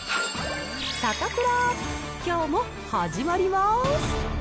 サタプラ、きょうも始まります。